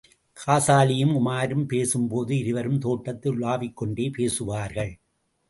காசாலியும் உமாரும் பேசும்போது, இருவரும் தோட்டத்தில் உலவிக்கொண்டே பேசுவார்கள்.